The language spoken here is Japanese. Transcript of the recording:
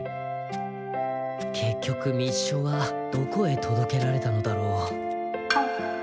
結局密書はどこへ届けられたのだろう。